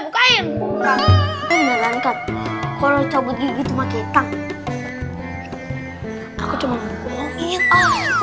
kalau coba gitu makanya